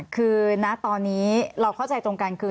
คือณตอนนี้เราเข้าใจตรงกันคือ